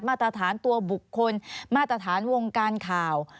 มาตรฐานตัวบุคคลมาตรฐานวงการข่าว